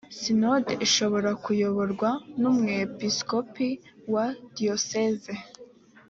sinode ishobora kuyoborwa n’umwepiskopi wa diyoseze